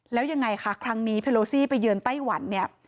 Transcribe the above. แล้วยังไงคะครั้งนี้เพโลซี่ไปเยือนไต้หวันเนี่ย